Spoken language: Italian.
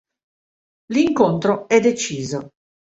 L'incontro è deciso.